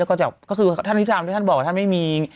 ก็คือท่านวิทยาลัยท่านบอกท่านไม่มี